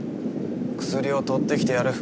薬を取ってきてやる。